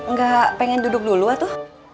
nggak pengen duduk dulu atau